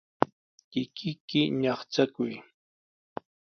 Kikiyki ñaqchakuy.